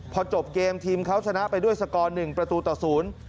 พอจบเกมทีมเขาชนะไปด้วยสกอร์หนึ่งประตูต่อศูนย์